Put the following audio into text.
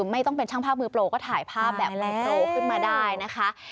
ไม่ต้องเป็นช่างภาพมือโปรก็ถ่ายภาพแบบโปรขึ้นมาได้นะคะ